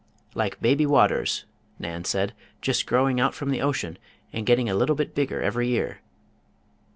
"Like 'Baby Waters'" Nan said, "just growing out from the ocean, and getting a little bit bigger every year."